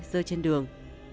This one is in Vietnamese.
rơi trên đường